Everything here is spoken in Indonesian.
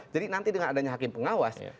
nanti dengan adanya hakim pengawas